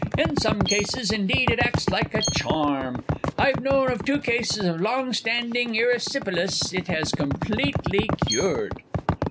In some cases, indeed, it acts like a charm. I've known of two cases of long standing erysipelas it has completely cured.